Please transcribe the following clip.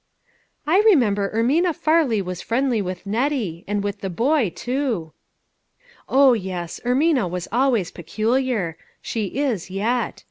" I remember Ermina Farley was friendly with Nettie, and with the boy, too." " O yes, Ermina was always peculiar ; she is yet.